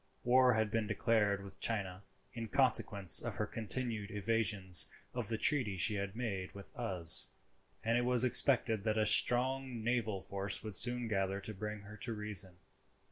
War had been declared with China in consequence of her continued evasions of the treaty she had made with us, and it was expected that a strong naval force would soon gather to bring her to reason.